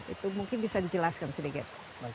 itu mungkin bisa dijelaskan sedikit